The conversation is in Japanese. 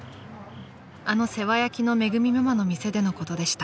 ［あの世話焼きのめぐみママの店でのことでした］